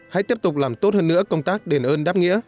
hãy tiếp tục làm tốt hơn nữa công tác đền ơn đáp nghĩa